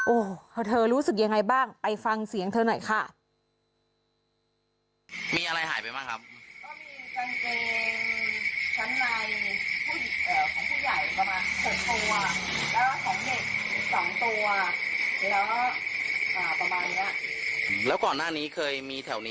โอ้โหเธอรู้สึกยังไงบ้างไปฟังเสียงเธอหน่อยค่ะ